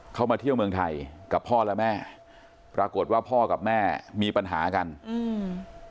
มาเที่ยวเมืองไทยกับพ่อและแม่ปรากฏว่าพ่อกับแม่มีปัญหากันอืม